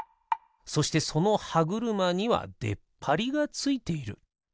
そしてそのはぐるまにはでっぱりがついている。